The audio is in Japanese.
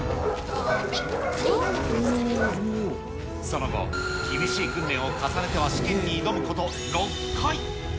その後、厳しい訓練を重ねては試験に挑むこと６回。